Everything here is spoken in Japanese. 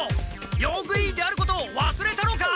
用具委員であることをわすれたのか？